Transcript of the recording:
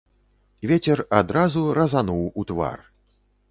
Вецер адразу разануў у твар.